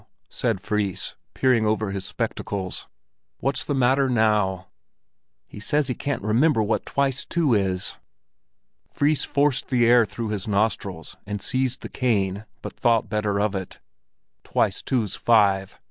said Fris, peering over his spectacles. "What's the matter now?" "He says he can't remember what twice two is." Fris forced the air through his nostrils and seized the cane, but thought better of it. "Twice two's five!"